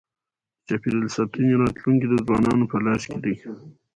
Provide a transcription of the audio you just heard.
د چاپېریال ساتنې راتلونکی د ځوانانو په لاس کي دی.